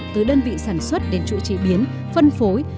từ đơn vị sản xuất đến chuỗi chế biến phân phối